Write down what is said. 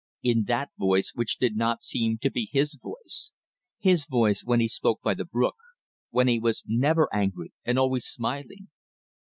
In that voice which did not seem to be his voice his voice when he spoke by the brook, when he was never angry and always smiling!